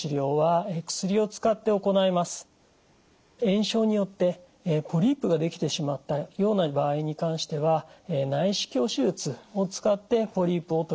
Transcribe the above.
炎症によってポリープが出来てしまったような場合に関しては内視鏡手術を使ってポリープを取り除くこともできます。